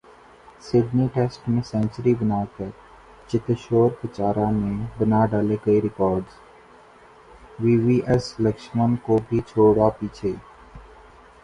Sydney test میں century بناکر چتیشور پجارا نے بناڈالے کئی records, V V S Laxman کو بھی چھوڑا پیچھے